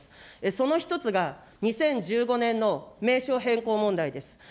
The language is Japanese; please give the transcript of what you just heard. その一つが２０１５年の名称変更問題です。